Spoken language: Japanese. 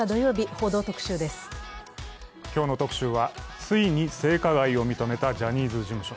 今日の「特集」はついに性加害を認めたジャニーズ事務所。